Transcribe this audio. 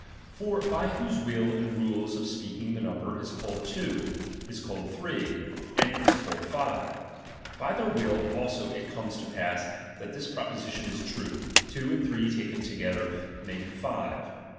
For by whose will and rules of speaking ^H the number || is called two, ||' is called three, and ^H I ] I I [ is called five ; by their will also it comes ^H to pass that this proposition is true, two and ^H three taken togetJier malie fire.